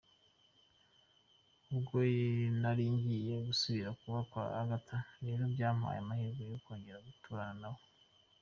Ubwo nari ngiye kusubira kuba kwa Agatha rero byampaye amahirwe yo kongera guturana nawe.